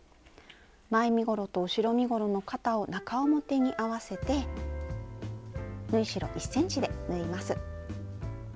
前身ごろと後ろ身ごろの肩を中表に合わせて縫い代１ｃｍで縫います。